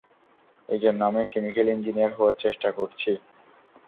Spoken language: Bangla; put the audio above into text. এজন্য আমি কেমিকেল ইঞ্জিনিয়ার হওয়ার চেষ্টা করছি।